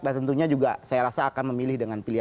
dan tentunya juga saya rasa akan memilih dengan pilihan